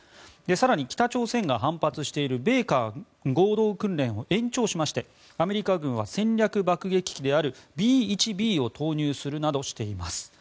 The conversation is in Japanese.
更に、北朝鮮が反発している米韓合同訓練を延長しましてアメリカ軍は、戦略爆撃機であるＢ１Ｂを投入するなどしています。